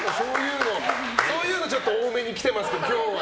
そういうの多めに来てますけど今日は。